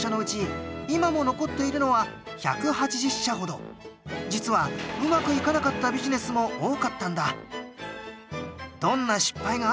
僕が関わった実はうまくいかなかったビジネスも多かったんだ。